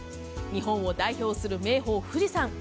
日本を代表する名峰・富士山。